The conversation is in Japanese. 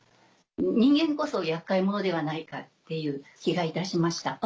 人間こそ厄介者ではないかっていう気がいたしました。